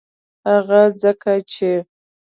هغه ځکه چې